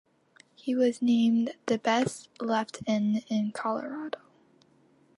He was named the Best Left End in Colorado.